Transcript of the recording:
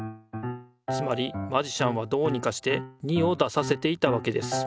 つまりマジシャンはどうにかして２を出させていたわけです。